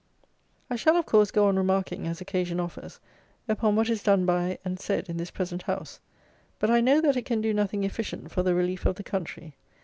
I shall, of course, go on remarking, as occasion offers, upon what is done by and said in this present House; but I know that it can do nothing efficient for the relief of the country.